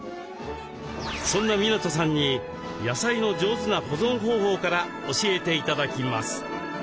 そんな湊さんに野菜の上手な保存方法から教えて頂きます。